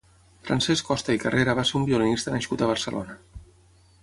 Francesc Costa i Carrera va ser un violinista nascut a Barcelona.